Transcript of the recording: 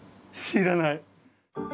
知らない。